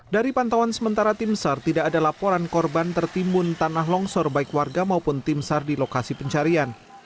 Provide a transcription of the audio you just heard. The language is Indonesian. dari pantuan sementara timsar tidak ada laporan korban tertimbun tanah longsor baik warga maupun timsar di lokasi pencarian